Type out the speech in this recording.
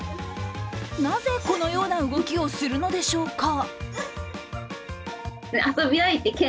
なぜこのような動きをするのでしょうか。